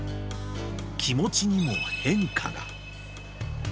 気持ちにも変化が。